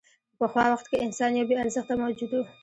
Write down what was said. په پخوا وخت کې انسان یو بېارزښته موجود و.